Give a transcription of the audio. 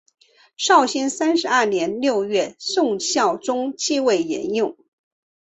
绍兴三十二年六月宋孝宗即位沿用。